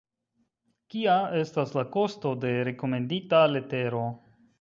Kia estas la kosto de rekomendita letero?